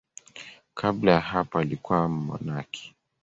Kabla ya hapo alikuwa mmonaki.